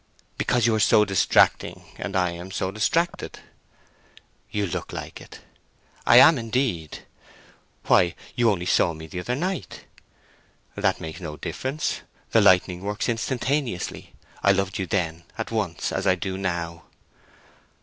"Because you are so distracting—and I am so distracted." "You look like it." "I am indeed." "Why, you only saw me the other night!" "That makes no difference. The lightning works instantaneously. I loved you then, at once—as I do now."